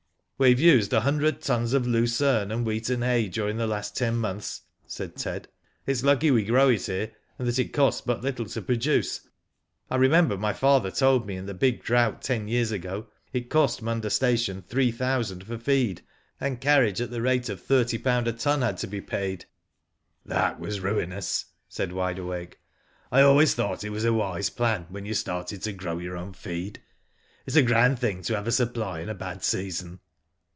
" We have used a hundred tons of lucerne and wheaten hay during the last ten months," said Ted. " It*s lucky we grow it here, and that it costs but little to produce. I remember my father told me in the big drought ten years ago Digitized by Google THE BIG DROUGHT, 185 it cost Munda station three thousand for feed, and carriage at the rate of ;C30 a ton had to be paid." " That was ruinous," said Wide Awake. " I always thought it was a wise plan when you started to grow your own feed. It is a grand thing to have a supply in a bad season."